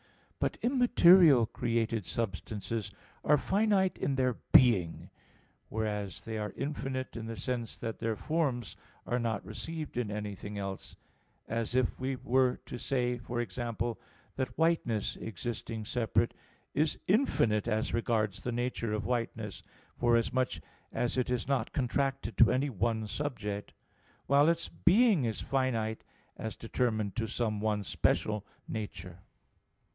But immaterial created substances are finite in their being; whereas they are infinite in the sense that their forms are not received in anything else; as if we were to say, for example, that whiteness existing separate is infinite as regards the nature of whiteness, forasmuch as it is not contracted to any one subject; while its "being" is finite as determined to some one special nature.